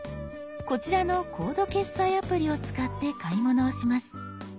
こちらのコード決済アプリを使って買い物をします。